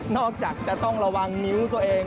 จากจะต้องระวังนิ้วตัวเอง